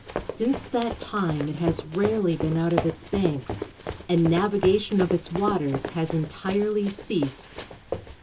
Since that time it has rarely been out of its banks, and navigation of its waters has entirely ceased.